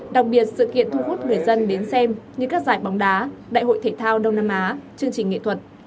đặc biệt sự kiện thu hút người dân đến xem như các giải bóng đá đại hội thể thao đông nam á chương trình nghệ thuật